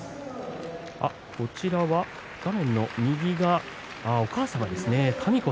こちら画面の右お母様ですね。